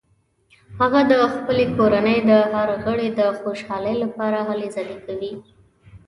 هغه د خپلې کورنۍ د هر غړي د خوشحالۍ لپاره هلې ځلې کوي